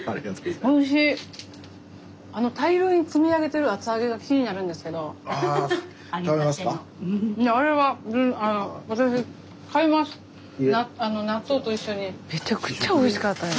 スタジオめちゃくちゃおいしかったんです。